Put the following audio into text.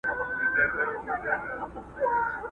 شرنګ د بلبلو په نغمو کي د سیالۍ نه راځي!!